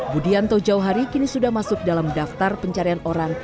budianto jauhari kini sudah masuk dalam daftar pencarian orang